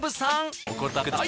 お答えください。